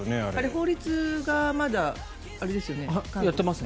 法律がまだあれですよね？